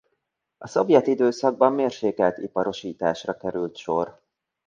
A szovjet időszakban mérsékelt iparosításra került sor.